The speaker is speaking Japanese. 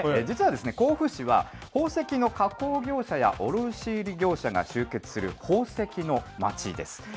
実はですね、甲府市は宝石の加工業者や卸売り業者が集結する宝石のまちです。